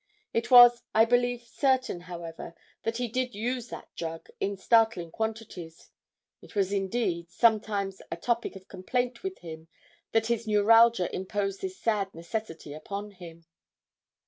It was, I believe, certain, however, that he did use that drug in startling quantities. It was, indeed, sometimes a topic of complaint with him that his neuralgia imposed this sad necessity upon him.